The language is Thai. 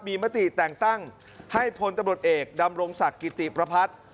มีมติแต่งตั้งให้พลตำรวจเอกดำรงศักดิ์กิติประพัฒน์